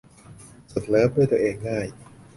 สุดเลิฟด้วยตัวเองง่าย